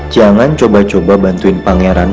jangan coba coba bantuin pangeran